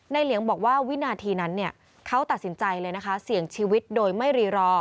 เหลียงบอกว่าวินาทีนั้นเขาตัดสินใจเลยนะคะเสี่ยงชีวิตโดยไม่รีรอ